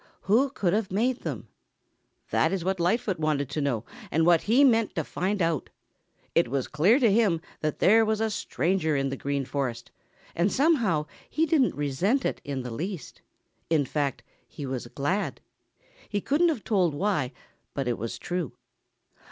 Who could have made them? That is what Lightfoot wanted to know and what he meant to find out. It was clear to him that there was a stranger in the Green Forest, and somehow he didn't resent it in the least. In fact, he was glad. He couldn't have told why, but it was true.